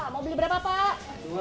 mau beli berapa pak